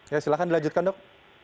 ya silahkan dilanjutkan dok